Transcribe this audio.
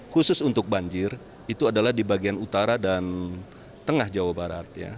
khusus untuk banjir itu adalah di bagian utara dan tengah jawa barat